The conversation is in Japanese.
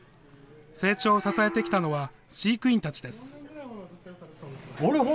成長を支えてきたのは、飼育員たちです。